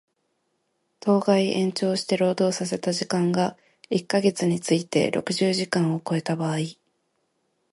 当該延長して労働させた時間が一箇月について六十時間を超えた場合